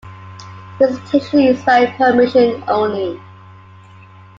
Visitation is by permission only.